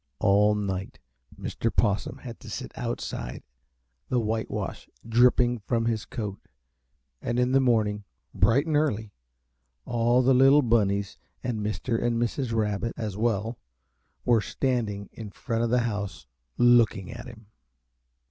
All night Mr. Possum had to sit outside, the whitewash dripping from his coat, and in the morning, bright and early, all the little Bunnies and Mr. and Mrs. Rabbit, as well, were standing in front of the house, looking at him.